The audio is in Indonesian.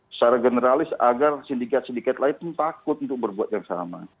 secara generalis agar sindikat sindikat lain takut untuk berbuat yang sama